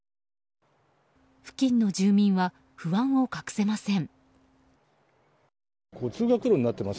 付近の住民は不安を隠せません。